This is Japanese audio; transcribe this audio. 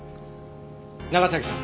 長崎さん